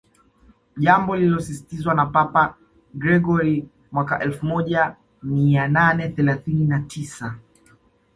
jambo lililosisitizwa na Papa Gregori mwaka elfu moja mia nane thelathini na tisa